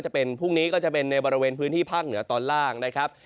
พรุ่งนี้ก็จะเป็นในบริเวณพื้นที่ภาคเหนือตอนล่าง